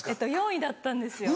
４位だったんですよ。